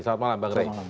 selamat malam bang ray